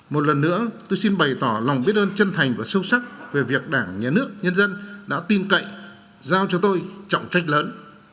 một lần nữa tôi xin bày tỏ lòng biết ơn chân thành và sâu sắc về việc đảng nhà nước nhân dân đã tin cậy giao cho tôi trọng trách lớn